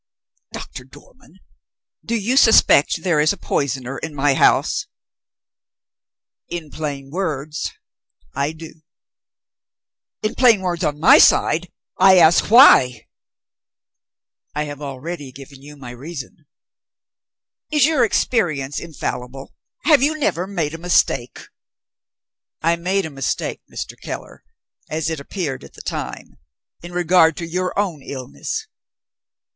"Doctor Dormann, do you suspect there is a poisoner in my house?" "In plain words, I do." "In plain words on my side, I ask why?" "I have already given you my reason." "Is your experience infallible? Have you never made a mistake?" "I made a mistake, Mr. Keller (as it appeared at the time), in regard to your own illness."